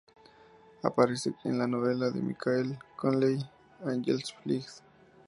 Aparece en la novela de Michael Connelly "Angels Flight".